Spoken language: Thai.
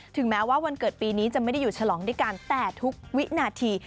แม้ว่าวันเกิดปีนี้จะไม่ได้อยู่ฉลองด้วยกันแต่ทุกวินาที